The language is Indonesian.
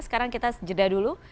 sekarang kita jeda dulu